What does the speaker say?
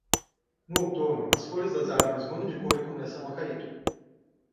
No outono as folhas das árvores mudam de cor e começam a cair